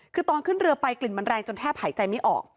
คือตอนขึ้นเรือไปกลิ่นมันแรงจนแทบหายใจไม่ออก